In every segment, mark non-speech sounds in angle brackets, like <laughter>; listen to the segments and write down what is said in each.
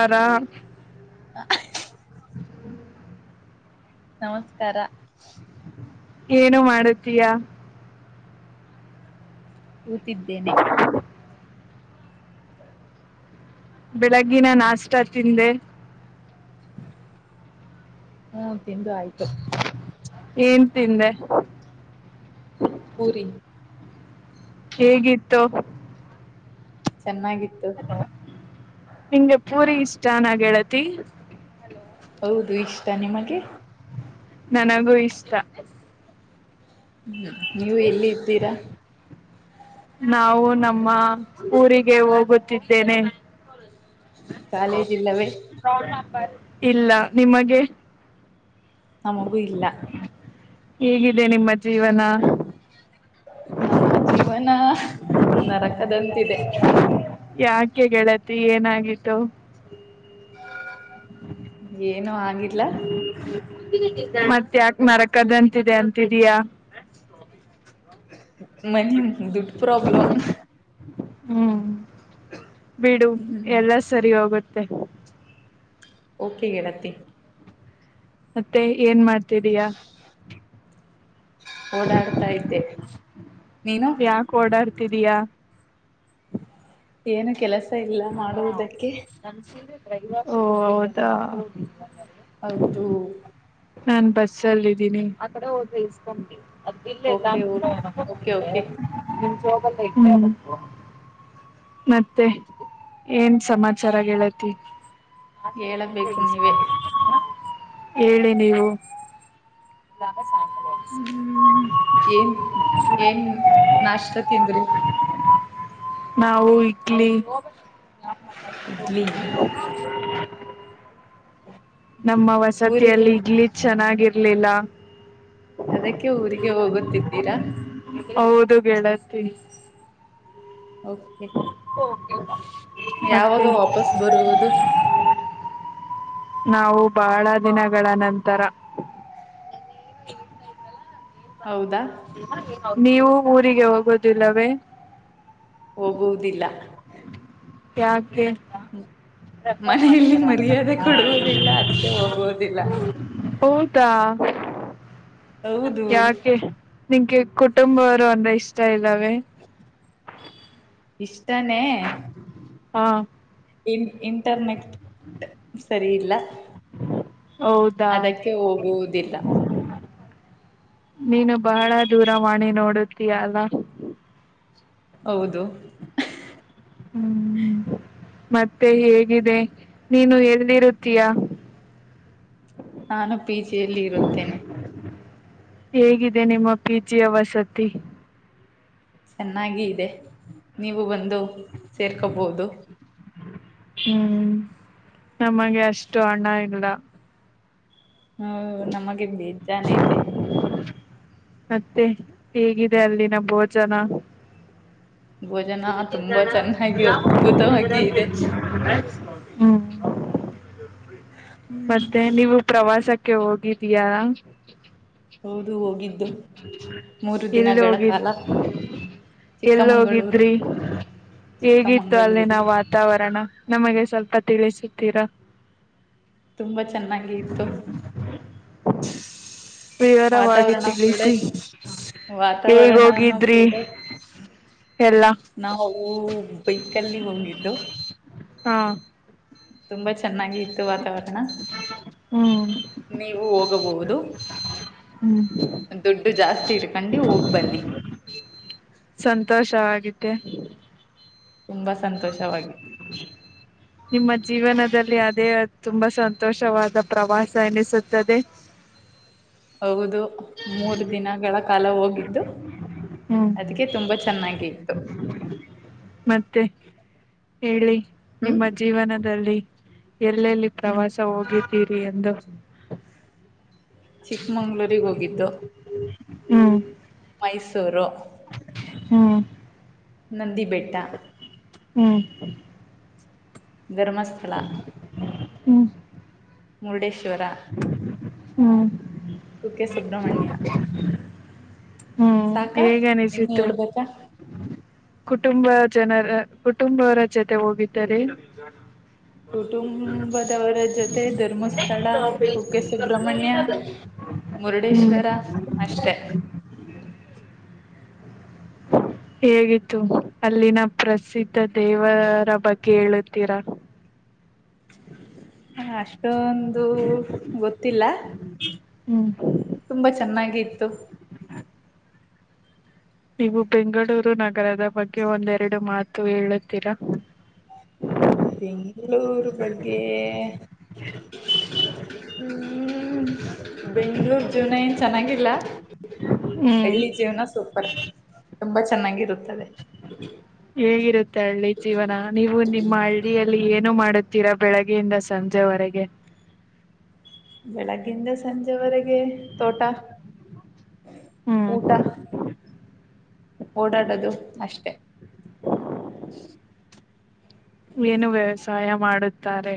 ಆರಾಮ್ ನಮಸ್ಕಾರ ಏನು ಮಾಡತೀಯಾ ಕೂತಿದ್ದೇನೆ ಬೆಳಗ್ಗಿನ ನಾಷ್ಟ ತಿಂದೆ ಹ್ಮ ತಿಂದು ಆಯ್ತು ಏನ್ ತಿಂದೆ ಪೂರಿ ಹೇಗಿತ್ತು ಚೆನ್ನಾಗಿತ್ತು ನಿಂಗೆ ಪೂರಿ ಇಷ್ಟನ ಗೆಳತಿ ಹೌದು ಇಷ್ಟ ನಿಮಗೆ ನನಗೂ ಇಷ್ಟ ಹ್ಮ್ ನೀವು ಎಲ್ಲಿ ಇದ್ದೀರಾ ನಾವು ನಮ್ಮ ಊರಿಗೆ ಹೋಗುತ್ತಿದ್ದೇನೆ <unintelligible> ಕಾಲೇಜ್ ಇಲ್ಲವೇ ಇಲ್ಲ ನಿಮಗೆ ನಮಗೂ ಇಲ್ಲ ಹೇಗಿದೆ ನಿಮ್ಮ ಜೀವನ ನಮ್ಮ ಜೀವನ ನರಕದಂತಿದೆ ಯಾಕೆ ಗೆಳತಿ ಏನಾಗಿತ್ತು ಏನು ಆಗಿಲ್ಲ ಮತ್ತ ಯಾಕ ನಾರಕದಂತಿದೆ ಅಂತಿದಿಯಾ ಮನ್ ದುಡ್ ಪ್ರಾಬ್ಲಮ್ ಹ್ಮ್ ಬಿಡು ಹ್ಮ್ ಎಲ್ಲ ಸರಿ ಹೋಗುತ್ತೆ ಓಕೆ ಗೆಳತಿ ಮತ್ತೆ ಏನ್ ಮಾಡ್ತಿದಯಾ ಓಡಾಡ್ತಾ ಇದ್ದೆ ನೀನು ಯಾಕೆ ಓಡಾಡ್ತಿದಯಾ ಏನು ಕೆಲಸ ಇಲ್ಲ ಮಾಡುವುದಕ್ಕೆ ಓ ಹೌದಾ ಹೌದು ನಾನ್ ಬಸ್ಸ ಅಲ್ಲಿ ಇದ್ದೀನಿ <unintelligible> ಅದ ಇಿಲ್ಲ ಇಲ್ಲಾೆ ಓಕೆ ಓಕೆ ಓಕೆ ಓಕೆ ನಿ <unintelligible> ಮತ್ತೆ <unintelligible> ಏನ್ ಸಮಾಚಾರ ಗೆಳತಿ ಹೇಳಬೇಕು ನೀವೇ ಹೇಳಿ ನೀವು ಹ್ಮ್ ಏನ್ ಏನ್ ನಾಷ್ಟ ತಿಂದ್ರಿ ನಾವು ಇಡ್ಲಿ ಇಡ್ಲಿ ನಮ್ಮ ಊರಿಗೆ ವಸತಿಯಲ್ಲಿ ಇಡ್ಲಿ ಚೆನ್ನಾಗಿರ್ಲಿಲ್ಲ ಅದಕ್ಕೆ ಊರಿಗೆ ಹೋಗುತ್ತಿದ್ದೀರಾ ಹೌದು ಗೆಳತಿ ಯಾವಾಗ ಮತ್ತೆ ವಾಪಸ್ ಬರುವುದು ನಾವು ಬಹಳ ದಿನಗಳ ನಂತರ ಹೌದಾ ನೀವು ಊರಿಗೆ ಹೋಗೋದಿಲ್ಲವೇ ಹೋಗುವುದಿಲ್ಲ ಯಾಕೆ ೆಫರ್ ಮನೆಯಲ್ಲಿ ಮಾಡಿದ್ದಾರೆ ಅಂತ ಮರ್ಯಾದೆ ಕೊಡುವುದಿಲ್ಲ ಅದಕ್ಕೆ <unintelligible> ಹೋಗುವುದಿಲ್ಲ ತ್ತಾ ಹೌದು ಯಾಕೆ ನಿಂಗೆ ಕುಟುಂಬವರು ಅಂದ್ರ ಇಷ್ಟ ಇದ್ದಾವೆ ತ್ತನೆ ಹಾ ಇನ್ ಇಂಟರ್ನೆಟ್ ಸರಿ ಇಲ್ಲ ಹೌದಾ ಅದಕ್ಕೆ ಹೋಗುವುದಿಲ್ಲ ನೀನು ಬಹಳ ದೂರವಾಣಿ ನೋಡುತ್ತಿದ್ದೀಯಲ್ಲ ಹೌದು ಹ್ಮ್ ಮತ್ತೆ ಹೇಗಿದೆ ನೀನು ಎಲ್ಲಿ ಇರುತ್ತೀಯ <inaudible> ನಾನು ಪಿ ಜಿಯಲ್ಲಿ ಇರುತ್ತೇನೆ ಹೇಗಿದೆ ನಿಮ್ಮ ಪ್ರೀತಿಯ ವಸತಿ ಚೆನ್ನಾಗಿ ಇದೆ ನೀವು ಬಂದು ಸೇರ್ಕೋಬಹುದು ಹ್ಮ್ ನಮಗೆ ಅಷ್ಟು ಹಣ ಇಲ್ಲ ಹ್ಮ ನಮಗೆ ಬೇಜಾನ್ ಐತೆ ಮತ್ತೆ ಹೇಗಿದೆ ಅಲ್ಲಿನ ಭೋಜನ ಭೋಜನ ಮುಂದಿನ ತುಂಬಾ ನಿಲ್ದಾಣ ಚೆನ್ನಾಗಿ ರಾಮ್ ಮೂರ್ತಿ ನಗರ್ ಅದ್ಭುತವಾಗಿ ಇದೆ <inaudible> ಹ್ಮ್ <inaudible> ಮತ್ತೆ ನೀವು ಪ್ರವಾಸಕ್ಕೆ ಹೋಗಿದ್ದೀಯಾ ಹೌದು ಹೋಗಿದ್ದು ಮೂರು <inaudible> ಎಲ್ಲಿ ದಿನಗಳ ಹೋಗಿದ್ದ ಕಾಲ <inaudible> ಎಲ್ಲ ಚಿಕ್ಕಮಂಗಳೂರು ಹೋಗಿದ್ರಿ ಹೇಗಿತ್ತು ಅಲ್ಲಿನ ಚಿಕ್ಕಮಂಗಳೂರು ವಾತಾವರಣ ನಮಗೆ ಸ್ವಲ್ಪ <inaudible> ತಿಳಿಸುತ್ತೀರ ತುಂಬಾ ಚೆನ್ನಾಗಿ ಇತ್ತು ವಿವರವಾಗಿ ವಾತಾವರಣ ಕೂಡ ತಿಳಿಸಿ ಹೇಗ್ ವಾತಾವರಣಾನ ಹೋಗಿದ್ರಿ ಕೂಡ ಎಲ್ಲಾ ನಾವು ಬೈಕಲ್ಲಿ ಹೋಗಿದ್ದು ಹಾ ತುಂಬಾ ಚೆನ್ನಾಗಿ ವಾತಾವರಣ ಹ್ಮ್ ನೀವು ಹೋಗಬಹುದು ಹ್ಮ್ ದುಡ್ಡು ಜಾಸ್ತಿ ಇಡ್ಕೊಂಡು ಹೋಗ್ ಬನ್ನಿ ಸಂತೋಷವಿದ್ದೆ ತುಂಬಾ ಸಂತೋಷವಾಗಿತ್ತು ನಿಮ್ಮ ಜೀವನದಲ್ಲಿ ಅದೇ ತುಂಬಾ ಸಂತೋಷವಾದ ಪ್ರವಾಸ ಎನಿಸುತ್ತದೆ ಹೌದು ಮೂರು ದಿನಗಳ ಕಾಲ ಹೋಗಿದ್ದು ಹ್ಮ್ ಅದಕ್ಕೆ ತುಂಬಾ ಚೆನ್ನಾಗಿ ಇತ್ತು ಮತ್ತೆ ಹೇಳಿ ಹ್ಮ್ ನಿಮ್ಮ ಜೀವನದಲ್ಲಿ ಎಲ್ಲೆಲ್ಲಿ ಹ್ಮ್ ಪ್ರವಾಸ ಹೋಗಿದ್ದೀರಿ ಎಂದ ಚಿಕ್ಕಮಂಗ್ಳೂರಿಗೆ ಹೋಗಿದ್ದು ಹ್ಮ್ ಮೈಸೂರು ಹ್ಮ್ ನಂದಿ ಬೆಟ್ಟ ಹ್ಮ್ ಧರ್ಮಸ್ಥಳ ಹ್ಮ ಮುರ್ಡೇಶ್ವರ ಹಾ <inaudible> ಕುಕ್ಕೆ ಸುಬ್ರಹ್ಮಣ್ಯ ಹ್ಮ್ ಸಾಕಾ ಹೇಗ ಇನ್ನು ಅನಿಸತ್ತು ಹೇಳ್ಬೇಕಾ ಕುಟುಂಬ <inaudible> ಜನರ ಕುಟುಂಬವರ ಜೊತೆ ಹೋಗಿದ್ದಾರೆ <inaudible> ಕುಟುಂಬದವರ ಜೊತೆ ಧರ್ಮಸ್ಥಳ ವತ <unintelligible> ಪೇ ಕುಕ್ಕೆ ಸುಬ್ರಹ್ಮಣ್ಯ ಕರ್ೂರಿಾದ <unintelligible> ಹ್ಮ್ ಮುರುಡೇಶ್ವರ ಅಷ್ಟೆ <inaudible> ಹ <inaudible> ಹೇಗಿತ್ತು ಅಲ್ಲಿನ ಪ್ರಸಿದ್ಧ ದೇವರ ಬಗ್ಗೆ ಹೇಳುತ್ತೀರಾ <inaudible> ಹ ಅಷ್ಟೊಂದು ಗೊತ್ತಿಲ್ಲ ಹ್ಮ್ <inaudible> ತುಂಬಾ ಚೆನ್ನಾಗಿ ಇತ್ತು ನೀವು ಬೆಂಗಳೂರು ನಗರದ ಬಗ್ಗೆ ಒಂದೆರಡು ಮಾತು ಹೇಳುತ್ತೀರಾ ಬೆಂಗಳೂರು ಬಗ್ಗೆ ಹ್ಮ ಬೆಂಗ್ಳೂರ್ ಜೀವನ ಏನ್ ಚೆನ್ನಾಗಿಲ್ಲ ಹ್ಮ್ ಎಳ್ಳಿ ಜೀವನ ಸೂಪರ್ ತುಂಬಾ ಚೆನ್ನಾಗಿರುತ್ತದೆ ಹೇಗಿರುತ್ತೆ ಹಳ್ಳಿ ಜೀವನ ನೀವು ನಿಮ್ಮ ಹಳ್ಳಿಯಲ್ಲಿ ಇ ಮಾಡುತ್ತೀರಾ ಬೆಳಗ್ಗೆಯಿಂದ ಸಂಜೆವರೆಗೆ ಬೆಳಗ್ಗಿಂದ ಸಂಜೆವರೆಗೆ ತೋಟ ಹ್ಮ್ ಊಟ ಓಡಾಡದು ಅಷ್ಟೆ ಏನು ವ್ಯವಸಾಯ ಮಾಡುತ್ತಾರೆ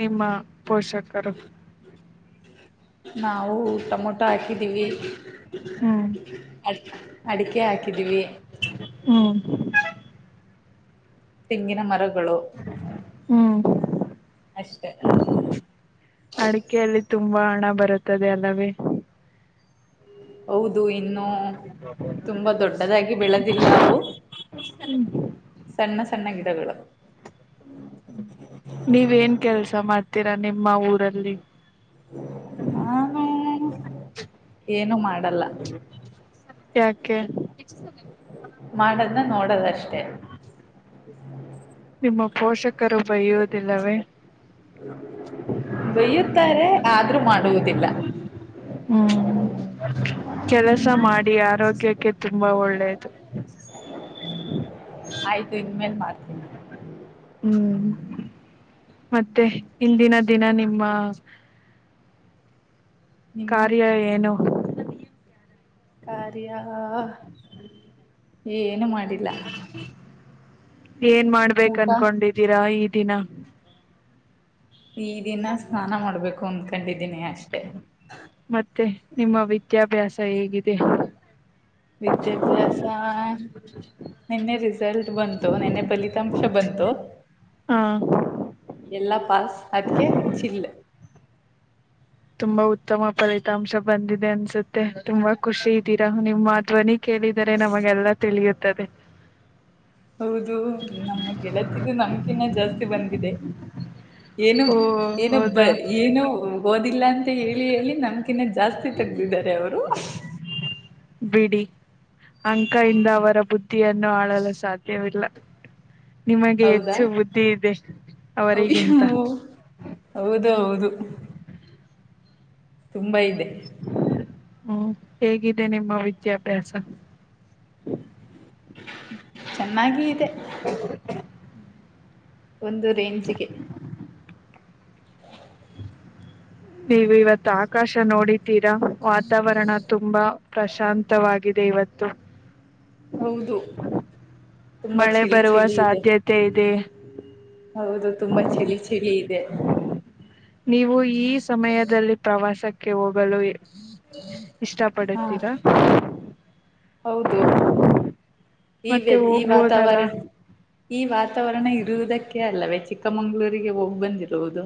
ನಿಮ್ಮ ಪೋಷಕರು ನಾವು ಟಮೊಟೊ ಹಾಕಿದೀವಿ ಹ್ಮ್ ಅಡ್ ಅಡಿಕೆ ಹಾಕಿದೀವಿ ಹ <unintelligible> ತೆಂಗಿನ ಮರಗಳು ಹ್ಮ್ ಅಷ್ಟೆ ಅಡಿಕೆಯಲ್ಲಿ ತುಂಬಾ ಹಣ ಬರುತ್ತದೆ ಅಲ್ಲವೇ <inaudible> <inaudible> ಹೌದು ಇನ್ನು ತುಂಬಾ ದೊಡ್ಡದಾಗಿ ಬೆಳೆದಿಲ್ಲ ಅವು ಸಣ್ಣ ಸಣ್ಣ ಗಿಡಗಳು ನೀವೇನ್ ಕೆಲ್ಸ ಮಾಡ್ತೀರಾ ನಿಮ್ಮ ಊರಲ್ಲಿ ನನ್ ಏನು ಮಾಡ ಯಕೆ ಮಾಡದ್ನ್ನ ನೋಡದಷ್ಟೆ ನಿಮ್ಮ ಪೋಷಕರು ಬಯ್ಯುವುದಿಲ್ಲವೇ ಬೈಯುತ್ತಾರೆ ಆದ್ರೂ ಮಾಡುವುದಿಲ್ಲ ಹ್ಮ ಕೆಲಸ ಮಾಡಿ ಆರೋಗ್ಯಕ್ಕೆ ತುಂಬಾ ಒಳ್ಳೇದು ಹ <unintelligible> ಆಯ್ತು ಇನ್ಮೇನ್ ಮಾಡ್ತೀನಿ ಹ್ಮ್ ಮತ್ತೆ ಇಂದಿನ ದಿನ ನಿಮ್ಮ ನಿಮ್ಮ ಕಾರ್ಯ ಏನು ಕಾರಾರಿಯಾ ಹ್ಮ <unintelligible> ಏನ್ ಮಾಡ್ಬೇಕ ಊಟ ಅನ್ಕೊಂಡಿದ್ದೀರಾ ಈ ದಿನ ಈ ದಿನ ಸ್ನಾನ ಮಾಡ್ಬೇಕು ಅಂದ್ಕೊಂಡಿದ್ದೀನಿ ಅಷ್ಟೆ ಮತ್ತೆ ನಿಮ್ಮ ವಿದ್ಯಾಭ್ಯಾಸ ಹೇಗಿದೆ ವಿಿದ್ಯಾಭ್ಯಾಸ ನಿನ್ನೆ ರಿಸಲ್ಟ್ ಬಂತು ನಿನ್ನೆ ಫಲಿತಾಂಶ ಬಂತು ಹಾ ಎಲ್ಲಾ ಪಾಸ್ ಅದಕ್ಕೆ ಚಿಲ್ಲ ತುಂಬಾ ಉತ್ತಮ ಫಲಿತಾಂಶ ಬಂದಿದೆ ಅನ್ಸುತ್ತೆ ತುಂಬಾ ಖುಷಿ ಇದ್ದೀರಾ ನಿಮ್ಮ ಧ್ವನಿ ಕೇಳಿ ನಮಗೆಲ್ಲ ತಿಳಿಯುತ್ತದೆ ಹೌದು ನಮ್ಮ ಗೆಲಸಗು ನಮಕಿನ ಜಾಸ್ತಿ ಬಂದಿದೆ ಏನು ಓ ಏನು ಬ ಹೌದಾ ಏನು ಓದಿಲ್ಲ ಹೇಳಿ ಹೇಳಿ ನಮಕಿನ ಜಾಸ್ತಿ ತಗ್ದಿದ್ದಾರೆ ಅವರು ಬಿಡಿ ಅಂಕ ಇಂದ ಅವರ ಬುದ್ಧಿಯನ್ನು ಆಳಲು ಸಾಧ್ಯವಿಲ್ಲ ನಿಮಗೆ ಹೆಚ್ಚು ಬುದ್ಧಿ ಇದೆ ಅ ಅವರಿಗಿಂತ ಹೌದೌದು ತುಂಬಾ ಇದೆ ಹ್ಮ್ ಹೇಗಿದೆ ನಿಮ್ಮ ವಿದ್ಯಾಭ್ಯಾಸ ಚೆನ್ನಾಗಿ ಇದೆ ಹ <inaudible> ಒಂದು ರೇಂಜಿಗೆ ನೀವು ಇವತ್ ಆಕಾಶ ನೋಡಿತೀರಾ ವಾತಾವರಣ ತುಂಬಾ ಪ್ರಶಾಂತವಾಗಿ ಇವತ್ತು ಹೌದು ತುಂಬಾ ಮಳೆ ಚಳಿ ಬರುವ ಚಳಿ ಇದೆ ಸಾಧ್ಯತೆ ಇದೆ ಹೌದು ತುಂಬಾ ಚಳಿ ಚಳಿ ಇದೆ ನೀವು ಈ ಸಮಯದಲ್ಲಿ ಪ್ರವಾಸಕ್ಕೆ ಹೋಗ ಗುರು ಇಷ್ಟ ಹಾ ಪಡುತ್ತೀರಾ ಹೌದು ಈ ಮತ್ತೆ ವ ಈ ಹೋಗ್ಬೋದಲ್ಲ ವಾತಾವರಣ ಈ ವಾತಾವರಣ ಇರುವುದಕ್ಕೆ ಅಲ್ಲವೆ ಚ್ಚಿಕ್ ಚಿಕ್ಕಮಂಗಳೂರಿಗೆ ಹೋಗಿ ಬಂದಿರವುದು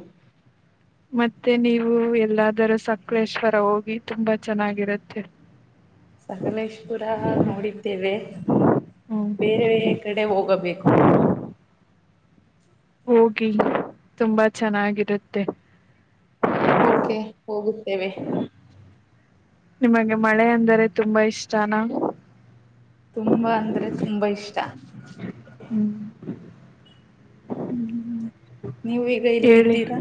ಮತ್ತೆ ನೀವು ಎಲ್ಲಾದರೂ ಸಕಲೇಶ್ವರ ಹೋಗಿ ತುಂಬಾ ಚೆನ್ನಾಗಿರುತ್ತೆ ಸಕಲೇಶಪುರ ನೋಡಿದ್ದೇವೆ ಹ್ಮ್ ಬೇರೆೇ ಕಡೆ ಹೋಗಬೇಕು ಹೋಗಿ ತುಂಬಾ ಚೆನ್ನಾಗಿರುತ್ತೆ ಓಕೆ ಹೋಗುತ್ತೇವೆ ನಿಮಗೆ ಮಳೆ ಅಂದರೆ ತುಂಬಾ ಇಷ್ಟಾನ ತುಂಬಾ ಅಂದ್ರೆ ತುಂಬಾ ಇಷ್ಟ ಹ್ಮ್ ಹ್ಮ್ ನೀವೀಗ ಎಲ್ಲಿ ಹೇಳಿ ಇದ್ದೀರಾ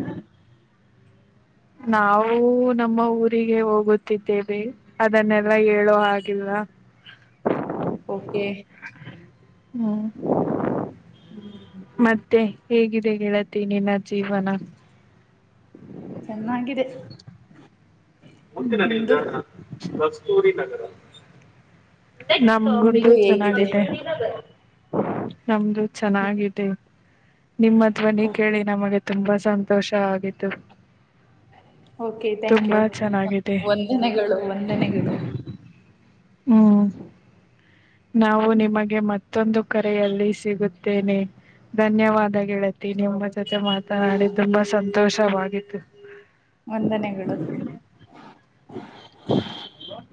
ನಾವು ನಮ್ಮ ಊರಿಗೆ ಹೋಗುತ್ತಿದ್ದೇವೆ ಅದನ್ನೆಲ್ಲ ಹೇಳೋ ಹಾಗಿಲ್ <inaudible> ಓಕೆ ಹ್ಮ್ ಮತ್ತೆ ಹೇಗಿದೆ ಗೆಳತಿ ನಿನ್ನ ಜೀವನ ಚೆನ್ನಾಗಿದೆ ಮುಂದಿನ ನಿಮ್ದು ನಿಲ್ದಾಣ ಕಸ್ತೂರಿ ನಗರ ನಮ ರೂಟೂ ನಿಮ್ದು ಹೇಗಿದೆ ಚೆನ್ನಾಗಿದೆ ನಮ್ದು ಚೆನ್ನಾಗಿದೆ ನಿಮ್ಮ ಧ್ವನಿ ಓಕೆ ಕೇಳಿ ನಮಗೆ ತುಂಬಾ ಸಂತೋಷ ಆಗಿತ್ತು ಓಕೆ ಥ್ಯಾಂಕ್ ಯು ತುಂಬಾ ಚೆನ್ನಾಗಿದೆ ವಂದನೆಗಳು ವಂದನೆಗಳು ಹ್ಮ್ ನಾವು ನಿಮಗೆ ಮತ್ತೊಂದು ಕರೆಯಲ್ಲಿ ಸಿಗುತ್ತೇನೆ ಧನ್ಯವಾದ ಗೆಳತಿ ನಿಮ್ಮಗ್ ಜೊತೆ ಮಾತನಾಡಿ ತುಂಬಾ ಸಂತೋಷವಾಗಿತ್ತು ವಂದನೆಗಳು <inaudible>